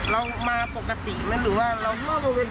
เรามาปกติหรือว่า